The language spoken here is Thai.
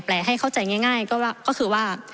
ให้เข้าใจง่ายก็คือว่า